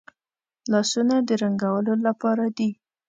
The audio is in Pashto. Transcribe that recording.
لاسونه د رنګولو لپاره دي